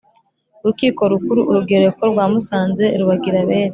urukiko rukuru, urugereko rwa musanze rubagira abere